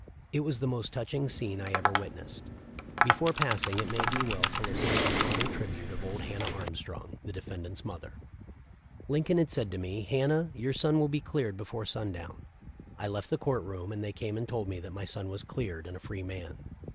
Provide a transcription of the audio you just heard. It was the most touching scene I ever witnessed."* Before passing it may be well to listen to the hum ble tribute of old Hannah Armstrong, the defend ant's mother: "Lincoln had said to me, 'Hannah, your son will be cleared before sundown.' I left the court room, and they came and told me that my son was cleared and a free man.